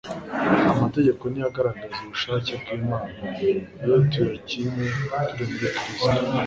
Amategeko ni yo agaragaza ubushake bw'Imana; iyo tuyakinye turi muri Kristo,